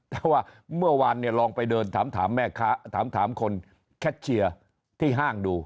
แต่ว่าเมื่อวานลองไปเดินถามคนแคทเชียร์ที่ห้างดู